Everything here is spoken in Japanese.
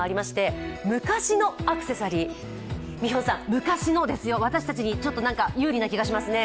昔のですよ、私たちに有利な気がしますね。